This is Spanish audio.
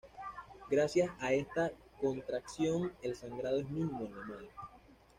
Gracias a esta contracción, el sangrado es mínimo en la madre.